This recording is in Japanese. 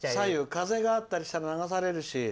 風があったりしたら流されるし。